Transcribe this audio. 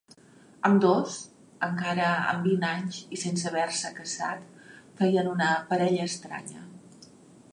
Ambdós, encara amb vint anys i sense haver-se casat, feien una parella estranya.